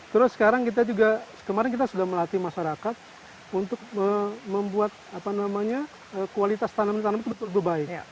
terus sekarang kita juga kemarin kita sudah melatih masyarakat untuk membuat kualitas tanaman tanaman itu betul betul baik